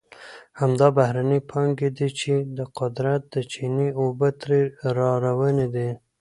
همدا بهرنۍ پانګې دي چې د قدرت د چینې اوبه ترې را روانې دي.